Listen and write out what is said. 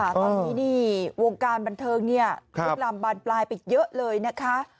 ตอนนี้นี่วงการบันเทิงเนี่ยลุกลำบานปลายไปเยอะเลยนะคะ